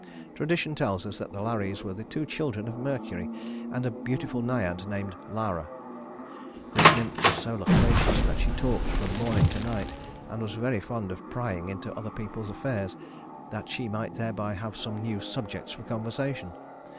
Tradition tells us that the Lares were the two children of Mercury and a beautiful Naiad named Lara. This nymph was so loquacious that she talked from morning to night, and was very fond of prying into other people's affairs, that she might thereby have some new subjects for conversation.